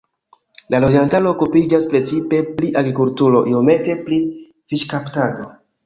La loĝantaro okupiĝas precipe pri agrikulturo, iomete pri fiŝkaptado.